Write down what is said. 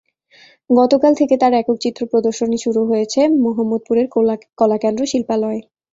গতকাল থেকে তাঁর একক চিত্র প্রদর্শনী শুরু হয়েছে মোহাম্মদপুরের কলাকেন্দ্র শিল্পালয়ে।